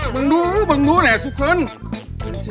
มึงดูมึงดูแหละสุทธิ์